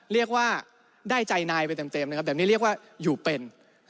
เรียกว่าได้ใจนายไปเต็มนะครับแบบนี้เรียกว่าอยู่เป็น